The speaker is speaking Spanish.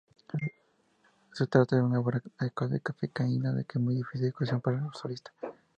Se trata de una obra dodecafónica, y de muy difícil ejecución para el solista.